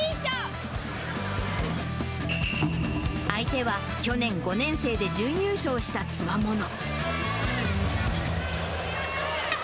相手は、去年、５年生で準優勝したつわもの。